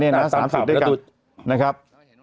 นี่นะ๓๔ด้วยกันนะครับ